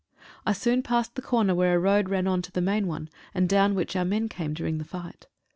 I soon passed the corner where a road ran on to the main one, and down which our men came during the fight.